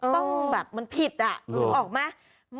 ต้องแบบมันผิดอ่ะนึกออกไหม